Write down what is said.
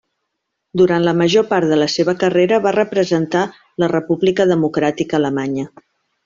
Durant la major part de la seva carrera va representar a la República Democràtica Alemanya.